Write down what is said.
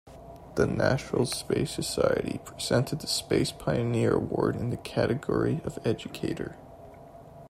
The National Space Society presented the Space Pioneer Award in the category of Educator.